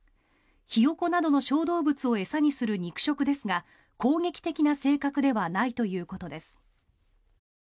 ヒヨコなどの小動物を餌にする肉食ですが攻撃的な性格ではないということです。